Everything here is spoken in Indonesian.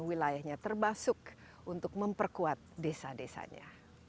dan wilayahnya terbasuk untuk memperkuat desa desanya